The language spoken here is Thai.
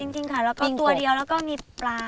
จริงค่ะตัวเดียวแล้วก็มีปลา